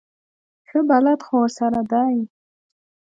ښه بلد خو ورسره دی.